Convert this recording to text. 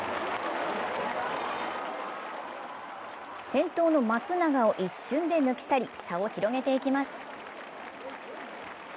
先頭の松永を一瞬で抜き去り、差を広げていきます。